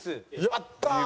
やったー！